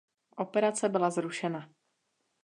Operace byla zrušena.